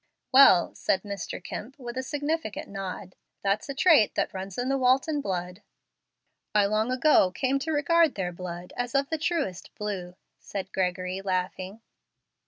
"Well," said Mr. Kemp, with a significant nod, "that's a trait that runs in the Walton blood." "I long ago came to regard their blood as of the truest blue," said Gregory, laughing.